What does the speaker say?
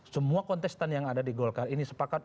semua kontestan yang ada di golkar ini sepakat